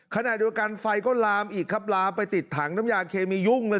ขณะเดียวกันไฟก็ลามไปติดถังด้ายน้ำยาเคมียุ่ง